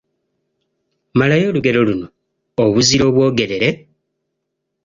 Malayo olugero luno: Obuzira obwogerere…